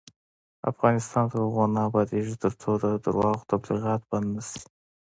افغانستان تر هغو نه ابادیږي، ترڅو د درواغو تبلیغات بند نشي.